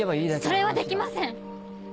それはできません！